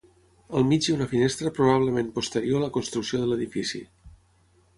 Al mig hi ha una finestra probablement posterior a la construcció de l'edifici.